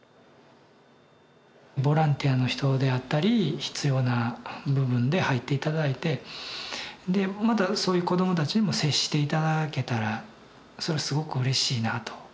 ボランティアの人であったり必要な部分で入って頂いてでまたそういう子どもたちにも接して頂けたらそれすごくうれしいなと。